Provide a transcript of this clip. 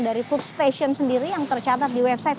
dari food station sendiri yang tercatat di website